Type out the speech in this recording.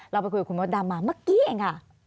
เราไปคุยกับคุณมดดำมาเมื่อกี้เองค่ะ